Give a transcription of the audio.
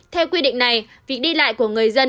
theo quy định này việc đi lại của người dân